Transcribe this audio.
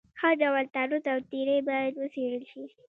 هر ډول تعرض او تیری باید وڅېړل شي.